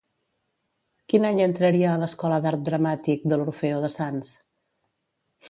Quin any entraria a l'Escola d'Art Dramàtic de l'Orfeó de Sants?